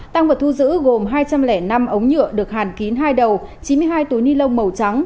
tăng vật thu giữ gồm hai trăm linh năm ống nhựa được hàn kín hai đầu chín mươi hai túi ni lông màu trắng